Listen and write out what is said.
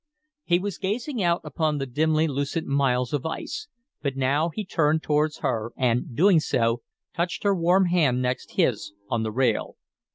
He was gazing out upon the dimly lucent miles of ice; but now he turned towards her, and, doing so, touched her warm hand next his on the rail.